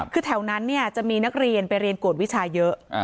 คือแถวนั้นจะมีนักเรียนไปเรียนกวดวิชาเยอะ